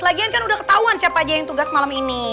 lagian kan udah ketahuan siapa aja yang tugas malam ini